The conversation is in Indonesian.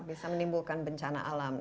bisa menimbulkan bencana alam